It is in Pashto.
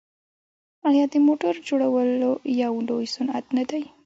آیا د موټرو جوړول یو لوی صنعت نه دی؟